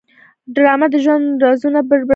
ډرامه د ژوند رازونه بربنډوي